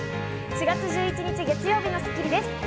４月１１日、月曜日の『スッキリ』です。